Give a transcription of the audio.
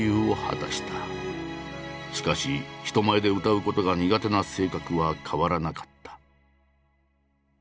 しかし人前で歌うことが苦手な性格は変わらなかった。